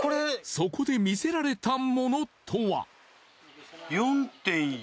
そこで見せられたものとは？